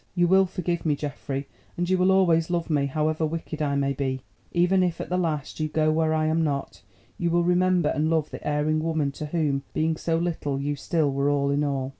You will forgive me, Geoffrey, and you will always love me, however wicked I may be; even if, at the last, you go where I am not, you will remember and love the erring woman to whom, being so little, you still were all in all.